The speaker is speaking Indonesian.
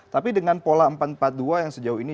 tapi dengan pola empat empat dua yang sejauh ini